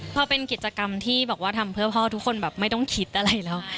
พอเป็นกิจกรรมที่บอกว่าทำเพื่อพ่อทุกคนแบบไม่ต้องคิดอะไรแล้ว